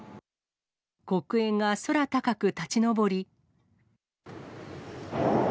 黒煙が空高く立ち上り。